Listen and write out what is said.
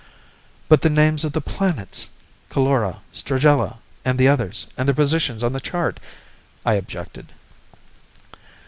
"But the names of the planets ... Coulora, Stragella, and the others and their positions on the chart...?" I objected.